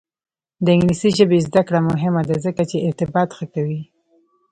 د انګلیسي ژبې زده کړه مهمه ده ځکه چې ارتباط ښه کوي.